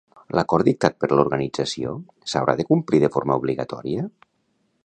L'acord dictat per l'organització, s'haurà de complir de forma obligatòria?